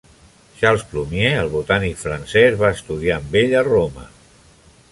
Charles Plumier, el botànic francès, va estudiar amb ell a Roma.